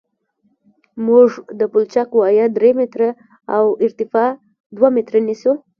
موږ د پلچک وایه درې متره او ارتفاع دوه متره نیسو